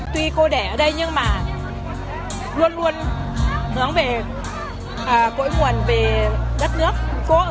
tuy cô đẻ ở đây nhưng mà luôn luôn hướng về cội nguồn về đất nước